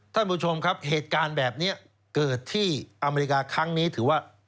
ท่านผู้ชมครับเหตุการณ์แบบนี้เกิดที่อเมริกาครั้งนี้ถือว่า